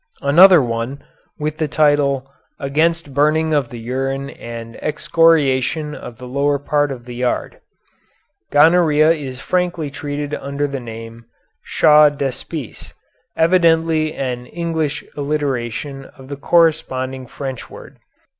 Another one, with the title "Against Burning of the Urine and Excoriation of the Lower Part of the Yard." Gonorrhea is frankly treated under the name Shawdepisse, evidently an English alliteration of the corresponding French word.